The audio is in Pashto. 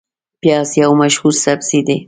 پیاز یو مشهور سبزی دی